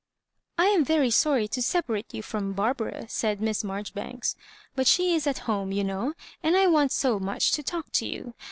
" I am very sorry to separate you firom Bar bara,*' said Miss Marjoribanks; *'but she is at home you know, and I want so much to talk to you.